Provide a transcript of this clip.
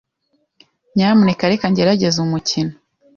Nyamuneka reka ngerageze umukino.